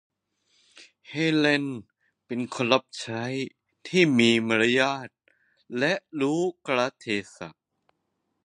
เฮเลนเป็นคนรับใช้ที่มีมารยาทและรู้กาลเทศะ